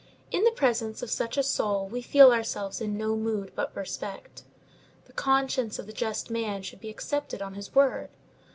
In the presence of such a soul we feel ourselves in no mood but respect. The conscience of the just man should be accepted on his word.